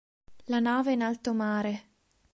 La nave è in alto mare.